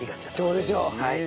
どうでしょう？